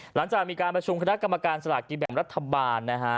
หลังจากมีการประชุมคณะกรรมการสลากกินแบ่งรัฐบาลนะฮะ